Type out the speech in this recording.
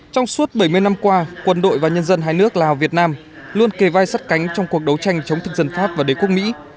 trong suốt bảy mươi năm qua quân đội và nhân dân hai nước lào việt nam luôn kề vai sắt cánh trong cuộc đấu tranh chống thực dân pháp và đế quốc mỹ